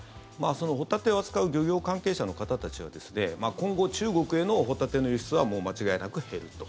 ホタテを扱う漁業関係者の方たちは今後、中国へのホタテの輸出はもう間違いなく減ると。